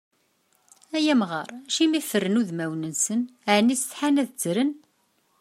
Ay amɣar, acimi fren udmawen-nsen? Ɛni setḥan ad ttren?